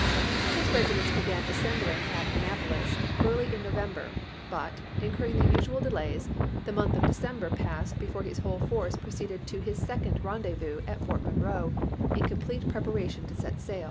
His regiments began assembling at An napolis early in November, but, incurring the usual delays, the month of December passed before his whole force proceeded to his second rendezvous at Fort Monroe in complete preparation to set sail.